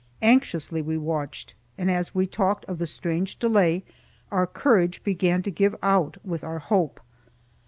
Anxiously we watched, and as we talked of the strange delay, our courage began to give out with our hope.